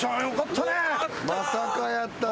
まさかやったな。